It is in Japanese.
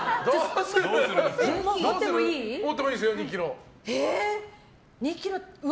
持ってもいいですよ、２ｋｇ。